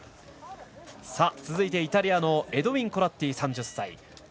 続いてイタリアのエドウィン・コラッティ、３０歳。